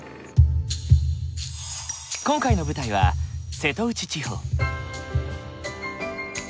今回の舞台は瀬戸内地方。